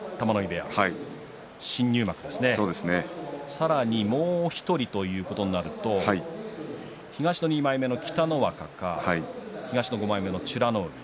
さらにもう１人ということになりますと東の２枚目の北の若か東の５枚目の美ノ海。